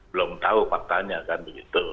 belum tahu faktanya kan begitu